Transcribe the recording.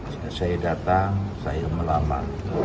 jika saya datang saya melamar